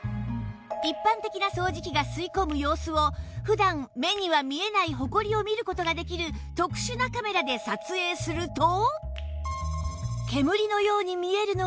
一般的な掃除機が吸い込む様子を普段目には見えないホコリを見る事ができる特殊なカメラで撮影すると